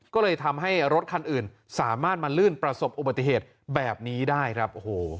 ก็เลยทำให้รถคันอื่นสามารถมาลื่นประสบอุบัติเหตุแบบนี้ได้ครับ